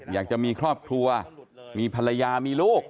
อยากจะมีครอบครัวมีภรรยามีลูก